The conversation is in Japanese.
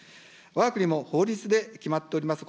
わが国も法律で決まっております